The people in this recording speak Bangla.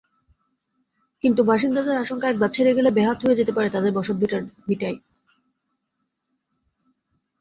কিন্তু বাসিন্দাদের আশঙ্কা একবার ছেড়ে গেলে বেহাত হয়ে যেতে পারে তাঁদের বসতভিটাই।